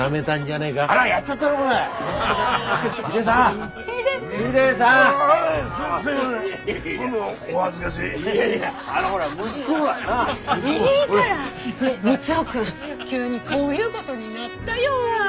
ねえ三生君急にこういうことになったよわ。